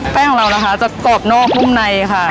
ของเรานะคะจะกรอบนอกนุ่มในค่ะ